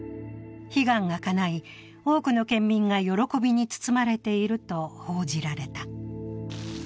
悲願がかない、多くの県民が喜びに包まれていると報じられた。